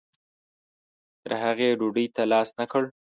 تر هغې یې ډوډۍ ته لاس نه کړ.